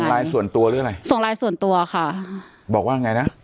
ไลน์ส่วนตัวหรืออะไรส่งไลน์ส่วนตัวค่ะบอกว่าไงนะ